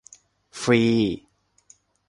ฟรี !